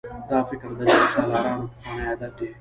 دا فکر د جنګسالارانو پخوانی عادت دی.